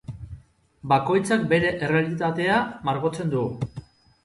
Bakoitzak bere errealitatea margotzen du.